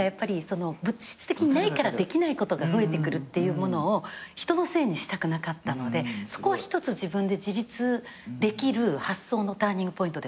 物質的にないからできないことが増えてくるっていうものを人のせいにしたくなかったのでそこは一つ自分で自立できる発想のターニングポイントではありました。